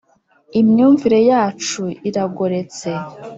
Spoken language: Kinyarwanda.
imyumvire yacu iragoretse.